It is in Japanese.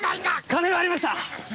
金はありました！